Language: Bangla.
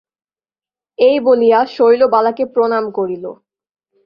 এই বলিয়া শৈলবালাকে প্রণাম করিল।